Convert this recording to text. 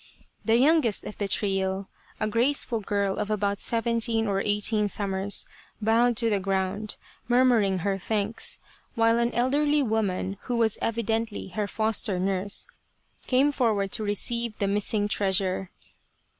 The youngest of the trio, a graceful girl of about seventeen or eighteen summers, bowed to the ground, murmuring her thanks, while an elderly woman, who was evidently her foster nurse, came forward to re ceive the missing treasure.